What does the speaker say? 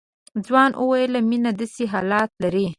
ځوان وويل مينه داسې حالات لري.